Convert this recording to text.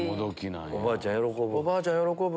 おばあちゃん喜ぶ。